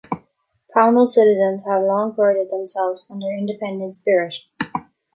Pownal citizens have long prided themselves on their independent spirit.